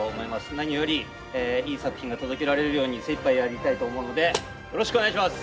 何よりいい作品が届けられるように精いっぱいやりたいと思うのでよろしくお願いします。